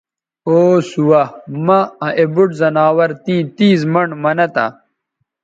او سُوہ مہ آ اے بُوٹ زناور تیں تیز منڈ منہ تہ